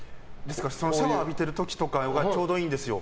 シャワーを浴びてる時とかがちょうどいいんですよ。